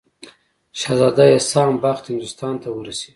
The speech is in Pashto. شهزاده احسان بخت هندوستان ته ورسیږي.